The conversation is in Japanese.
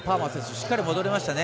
しっかり戻りましたね。